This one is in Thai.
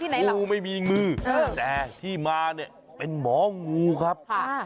งูไม่มีมือแต่ที่มาเนี่ยเป็นหมองูครับ